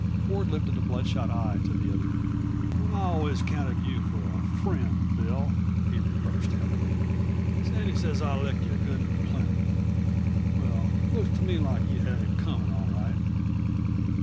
Ford lifted a bloodshot eye to the other. "And I always counted you for a friend, Bill," he reproached heavily. "Sandy says I licked you good and plenty. Well, looks to me like you had it coming, all right."